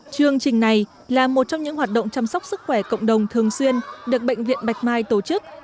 chương trình này là một trong những hoạt động chăm sóc sức khỏe cộng đồng thường xuyên được bệnh viện bạch mai tổ chức